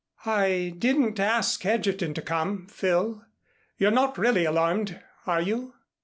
"I didn't ask Egerton to come, Phil. You're not really alarmed, are you?"